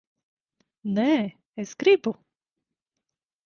Nē, es gribu.